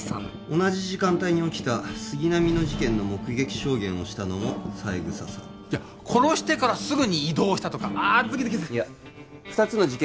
同じ時間帯に起きた杉並の事件の目撃証言をしたのも三枝さん殺してからすぐに移動したとかあズキズキする二つの事件